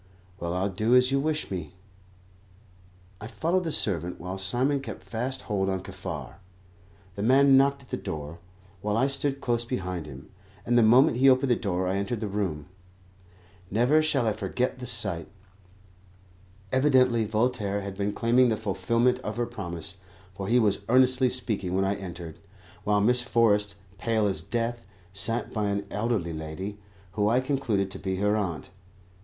Well, I'll do as you wish me." I followed the servant, while Simon kept fast hold on Kaffar. The man knocked at the door, while I stood close behind him, and the moment he opened the door I entered the room. Never shall I forget the sight. Evidently Voltaire had been claiming the fulfilment of her promise, for he was earnestly speaking when I entered, while Miss Forrest, pale as death, sat by an elderly lady, who I concluded to be her aunt.